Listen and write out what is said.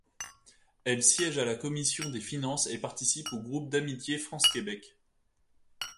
Elle siège à la commission des finances et participe au groupe d'amitié France-Québec.